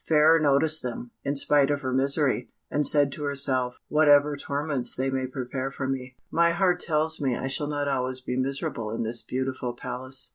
Fairer noticed them, in spite of her misery, and said to herself, "Whatever torments they may prepare for me, my heart tells me I shall not always be miserable in this beautiful palace."